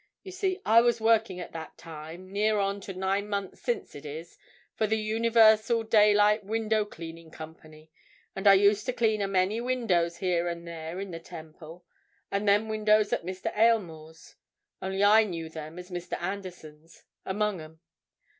"You see, I was working at that time—near on to nine months since, it is—for the Universal Daylight Window Cleaning Company, and I used to clean a many windows here and there in the Temple, and them windows at Mr. Aylmore's—only I knew them as Mr. Anderson's—among 'em.